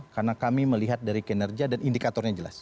karena kami melihat dari kinerja dan indikatornya jelas